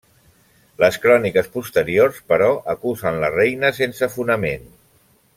Les cròniques posteriors, però, acusen la reina sense fonament.